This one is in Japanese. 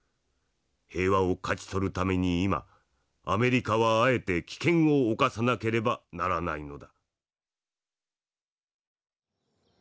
平和を勝ち取るために今アメリカはあえて危険を冒さなければならないのだ」。